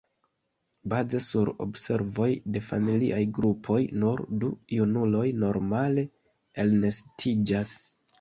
Baze sur observoj de familiaj grupoj, nur du junuloj normale elnestiĝas.